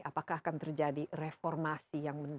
apakah akan terjadi reformasi yang menarik